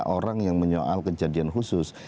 orang yang menyoal kejadian khusus